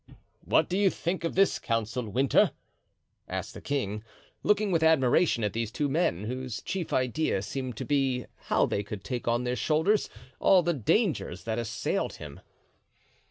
"What do you think of this counsel, Winter?" asked the king, looking with admiration at these two men, whose chief idea seemed to be how they could take on their shoulders all the dangers that assailed him.